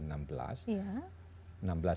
enam belas itu ulang tahunnya br lima